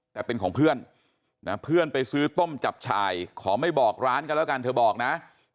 แต่เป็นของเพื่อนนะเพื่อนไปซื้อต้มจับฉายขอไม่บอกร้านกันแล้วกันเธอบอกนะ